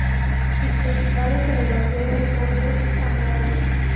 Sus principales elevaciones son El Zamorano.